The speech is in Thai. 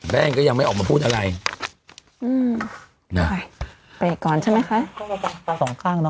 แป้งก็ยังไม่ออกมาพูดอะไรอืมไปก่อนใช่ไหมคะต้องมาฟังตาสองข้างเนอะ